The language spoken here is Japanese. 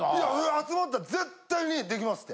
集まったら絶対に出来ますって。